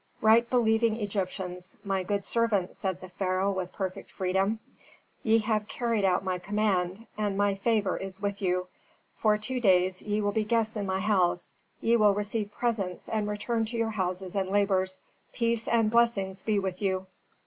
"Right believing Egyptians, my good servants," said the pharaoh with perfect freedom. "Ye have carried out my command, and my favor is with you; for two days ye will be guests in my house. Ye will receive presents and return to your houses and labors. Peace and blessings be with you."